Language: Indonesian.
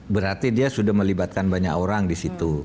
berarti dia sudah melibatkan banyak orang di situ